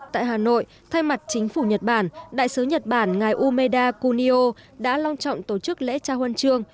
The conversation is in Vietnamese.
tại hà nội thay mặt chính phủ nhật bản đại sứ nhật bản ngài umeda kunio đã long trọng tổ chức lễ trao huân chương